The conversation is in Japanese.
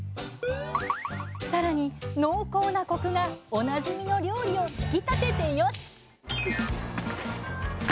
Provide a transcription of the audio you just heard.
さらに濃厚なコクがおなじみの料理を引き立ててよしっ！